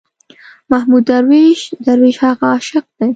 محمود درویش، درویش هغه عاشق دی.